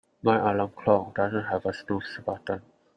My alarm clock doesn't have a snooze button.